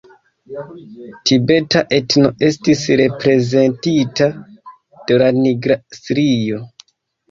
Tibeta etno estis reprezentita de la nigra strio.